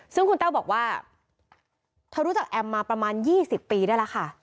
ซึ่งคุณแต้วบอกว่าเธอรู้จักแอมมาประมาณ๒๐ปีได้แล้วค่ะ